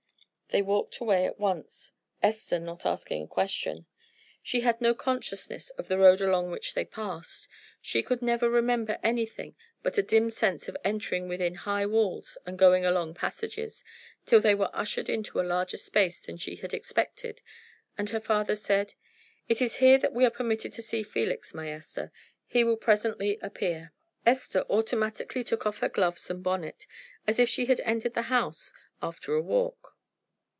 They walked away at once, Esther not asking a question. She had no consciousness of the road along which they passed; she could never remember anything but a dim sense of entering within high walls and going along passages, till they were ushered into a larger space than she had expected, and her father said: "It is here that we are permitted to see Felix, my Esther. He will presently appear." Esther automatically took off her gloves and bonnet, as if she had entered the house after a walk.